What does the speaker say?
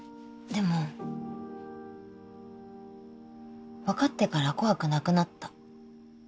でも分かってから怖くなくなった。